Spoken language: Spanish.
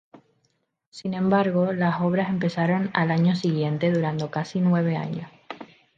Sin embargo las obras empezaron al año siguiente, durando casi nueve años.